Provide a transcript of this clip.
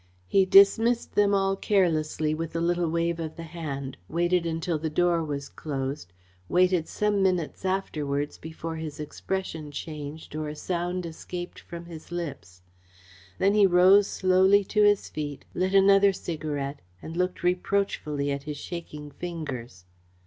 He dismissed them all carelessly with a little wave of the hand, waited until the door was closed, waited until some minutes afterwards before his expression changed, or a sound escaped from his lips. Then he rose slowly to his feet, lit another cigarette and looked reproachfully at his shaking fingers.